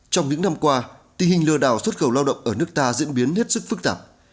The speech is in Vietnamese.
trong những năm qua tình hình lừa đảo xuất khẩu lao động ở nước ta diễn biến hết sức phức tạp